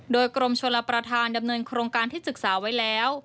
โดยกรมชลประธานดำเนินโครงการที่ศึกษาไว้แล้ว